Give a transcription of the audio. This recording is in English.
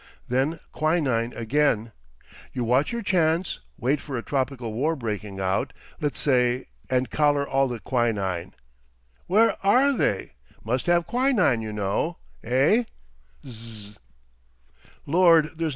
Then quinine again! You watch your chance, wait for a tropical war breaking out, let's say, and collar all the quinine. Where ARE they? Must have quinine, you know. Eh? Zzzz.